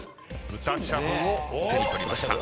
豚しゃぶを手に取りました。